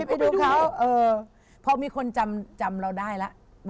พี่ไปดูเพราะมีคนจำเราได้แล้ว